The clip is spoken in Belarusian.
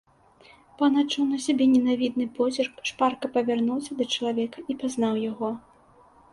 Пан адчуў на сабе ненавідны позірк, шпарка павярнуўся да чалавека і пазнаў яго.